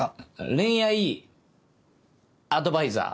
恋愛アドバイザー。